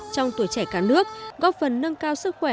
trong tuổi trẻ cả nước góp phần nâng cao sức khỏe